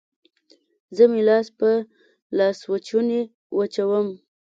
زه مې لاس په لاسوچوني وچوم